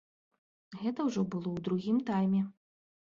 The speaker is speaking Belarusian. Гэта ўжо было ў другім тайме.